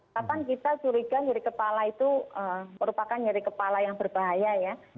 kapan kita curiga nyeri kepala itu merupakan nyeri kepala yang berbahaya ya